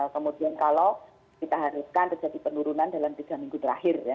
kemudian kalau kita haruskan terjadi penurunan dalam tiga minggu terakhir ya